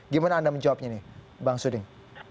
gimana anda menjawabnya ini bang suding